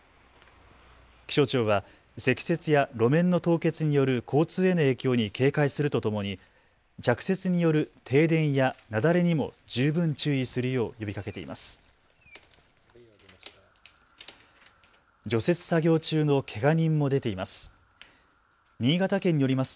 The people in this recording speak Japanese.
気象庁は積雪や路面の凍結による交通への影響に警戒するとともに着雪による停電や雪崩にも十分注意するよう呼びかけています。